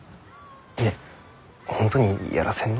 ねえ本当にやらせんの？